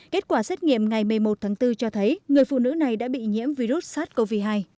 kết quả xét nghiệm ngày một mươi một tháng bốn cho thấy người phụ nữ này đã bị nhiễm virus sars cov hai